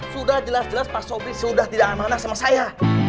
sudah jelas jelas pak sobri sudah tidak amanah sama saya